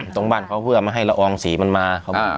ตรงบ้านเพื่อให้ระองสีมันมา